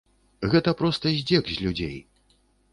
Гэта проста здзек з людзей.